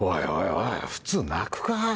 おい普通泣くか？